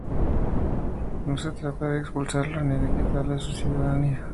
No se trata de expulsarlo, ni de quitarle su ciudadanía.